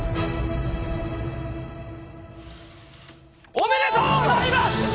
おめでとうございます！